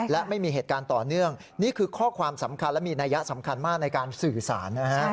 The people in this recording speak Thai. และไม่มีเหตุการณ์ต่อเนื่องนี่คือข้อความสำคัญและมีนัยยะสำคัญมากในการสื่อสารนะฮะ